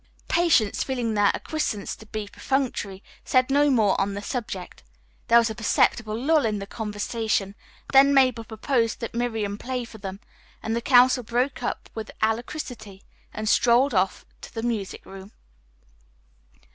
Patience, feeling their acquiescence to be perfunctory, said no more on the subject. There was a perceptible lull in the conversation, then Mabel proposed that Miriam play for them, and the council broke up with alacrity and strolled off to the music room.